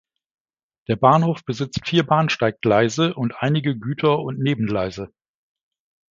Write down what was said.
Der Bahnhof besitzt vier Bahnsteiggleise und einige Güter- und Nebengleise.